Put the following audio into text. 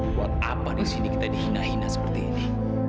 buat apa disini kita dihina hina seperti ini